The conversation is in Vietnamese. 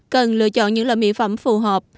cần lựa chọn những loại mỹ phẩm phù hợp